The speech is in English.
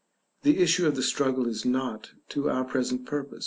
The issue of the struggle is not to our present purpose.